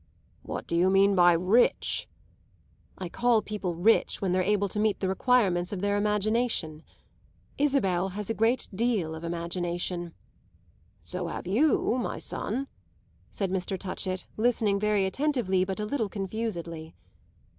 "What do you mean by rich?" "I call people rich when they're able to meet the requirements of their imagination. Isabel has a great deal of imagination." "So have you, my son," said Mr. Touchett, listening very attentively but a little confusedly.